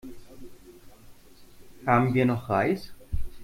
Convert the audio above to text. Haben wir noch Reis?